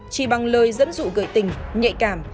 chỉ bằng lời dẫn dụ gợi tình nhạy cảm